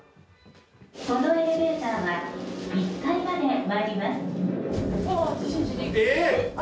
このエレベーターは１階までおわっ、えー！